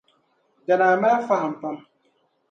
Danaa mali fahim pam